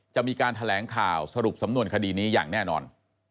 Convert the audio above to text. จะมีการแถลงข่าวสรุปสำนวนคดีนี้อย่างแน่นอน